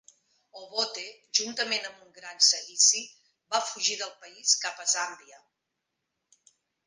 Obote, juntament amb un gran seguici, va fugir del país cap a Zambia.